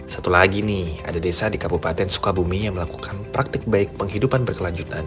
satu lagi nih ada desa di kabupaten sukabumi yang melakukan praktik baik penghidupan berkelanjutan